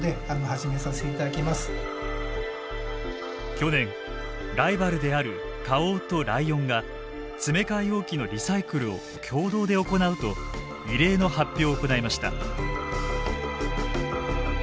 去年ライバルである花王とライオンが詰め替え容器のリサイクルを協働で行うと異例の発表を行いました。